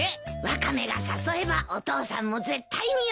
ワカメが誘えばお父さんも絶対に喜ぶよ。